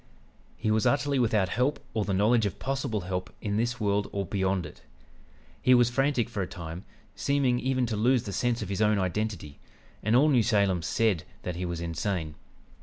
He was utterly without help or the knowledge of possible help in this world or beyond it. He was frantic for a time, seeming even to lose the sense of his own identity, and all New Salem said that he was insane.